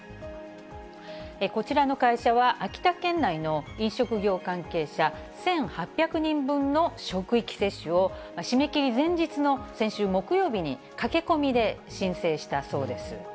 こちらの会社は、秋田県内の飲食業関係者１８００人分の職域接種を、締め切り前日の先週木曜日に駆け込みで申請したそうです。